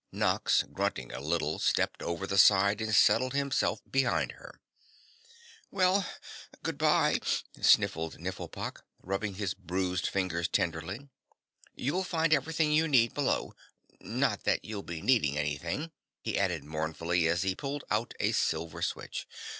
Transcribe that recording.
Nox, grunting a little, stepped over the side and settled himself behind her. "Well, goodbye," sniffed Nifflepok, rubbing his bruised fingers tenderly. "You'll find everything you need below, not that you'll be needing anything," he added mournfully as he pulled out a silver switch.